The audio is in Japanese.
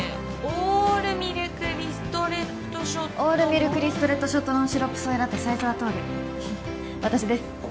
オールミルクリストレットショットオールミルクリストレットショットノンシロップソイラテサイズはトール私です